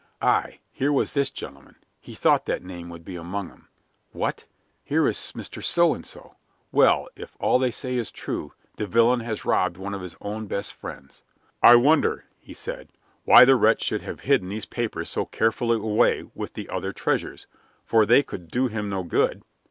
Aye, here was this gentleman; he thought that name would be among 'em. What? Here is Mr. So and so. Well, if all they say is true, the villain has robbed one of his own best friends. "I wonder," he said, "why the wretch should have hidden these papers so carefully away with the other treasures, for they could do him no good?"